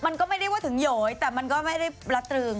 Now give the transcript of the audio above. มันก็ไม่ได้ว่าถึงโหยแต่มันก็ไม่ได้ละตรึง